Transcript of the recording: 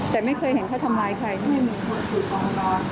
แต่ไม่เคยเห็นเขาทำร้ายใครไม่มี